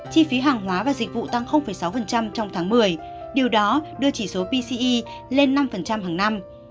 chi phí hàng hóa và dịch vụ tăng sáu trong tháng một mươi điều đó đưa chỉ số pce lên năm hàng năm